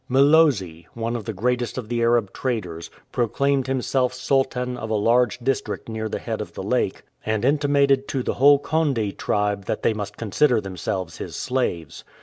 Mlozi, one of the greatest of the Arab traders, pro claimed himself Sultan of a large district near the head of the lake, and intimated to the whole Konde tribe that they must consider themselves his slaves.